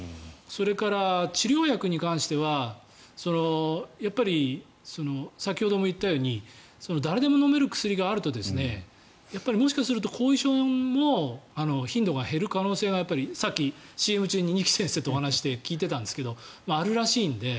それから治療薬に関してはやっぱり先ほども言ったように誰でも飲める薬があるともしかすると後遺症も、頻度が減る可能性がさっきＣＭ中に二木先生とお話しして聞いていたんですがあるらしいので